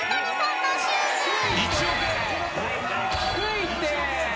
低いって！